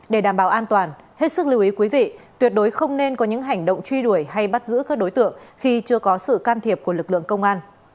để đảm bảo an toàn hết sức lưu ý quý vị tuyệt đối không nên có những hành động truy đuổi hay bắt giữ các đối tượng khi chưa có sự can thiệp của lực lượng công an